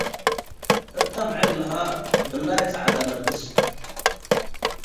እተ አምዕል ለሀ ብላይ ጸዐደ ለብስ ።